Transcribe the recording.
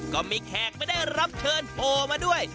ก็มีแขกไม่ได้รับเชิญโผล่มาด้วย